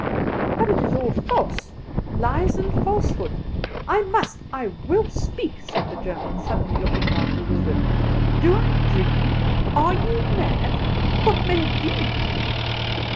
"But it is all false, lies and falsehoods. I must, I will speak," said the German, suddenly looking round bewildered. "Do I dream? Are you mad? What may it be?"